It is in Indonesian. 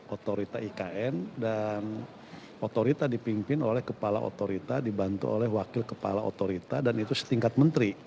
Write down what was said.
otorita ikn dan otorita dipimpin oleh kepala otorita dibantu oleh wakil kepala otorita dan itu setingkat menteri